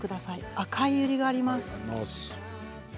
赤いユリがあります。